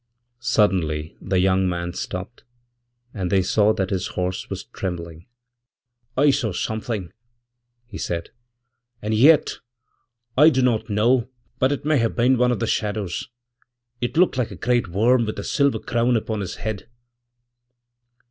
Suddenly the young man stopped, andthey saw that his horse was trembling. 'I saw something,' he said,'and yet I do not know but it may have been one of the shadows. Itlooked like a great worm with a silver crown upon his head.'